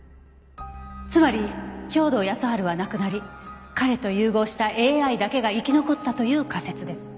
つまり兵働耕春は亡くなり彼と融合したＡＩだけが生き残ったという仮説です。